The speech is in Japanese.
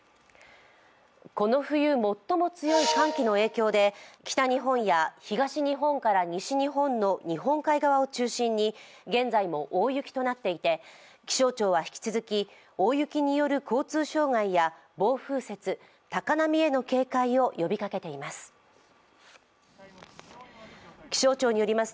この冬、最も強い寒気の影響で北日本や東日本から西日本の日本海側を中心に現在も大雪となっていて気象庁は引き続き大雪による交通障害や暴風雪、高波への警戒を呼びかけています。